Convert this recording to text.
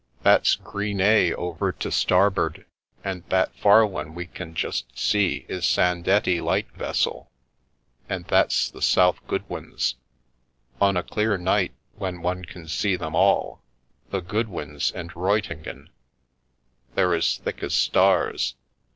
" That's Gris Nez over to Starboard, and that far one we can just see is Sandettie light vessel, and that's the South Goodwins. On a clear night when one can see them all, the Goodwins and Ruytingen, they're as thick as stars.